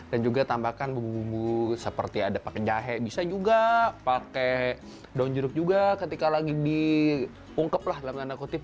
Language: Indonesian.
dan juga tambahkan bumbu bumbu seperti ada pakai jahe bisa juga pakai daun jeruk juga ketika lagi diungkep lah dalam tanda kutip